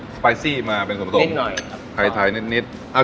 สปไซซี่มาเป็นส่วนผสมนิดหน่อยครับไทยไทยนิดนิดอ่า